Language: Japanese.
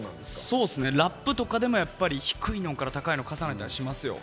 そうですねラップとかでもやっぱり低いのから高いの重ねたりしますよ。